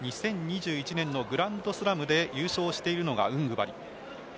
２０２１年のグランドスラムで優勝しているのがウングバリ。